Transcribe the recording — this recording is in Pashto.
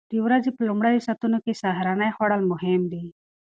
د ورځې په لومړیو ساعتونو کې سهارنۍ خوړل مهم دي.